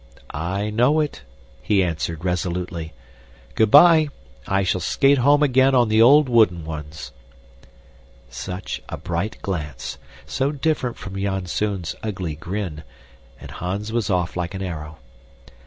"I know it," he answered resolutely. "Good bye! I shall skate home again on the old wooden ones." Such a bright glance! So different from Janzoon's ugly grin and Hans was off like an arrow.